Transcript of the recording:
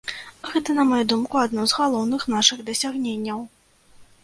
Гэта, на маю думку, адно з галоўных нашых дасягненняў.